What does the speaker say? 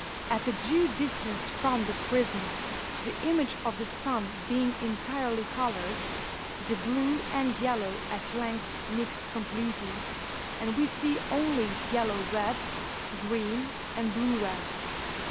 At a due distance from the prism, the image of the sun being entirely coloured, the blue and yellow at length mix completely, and we see only yellow red, green, and blue red.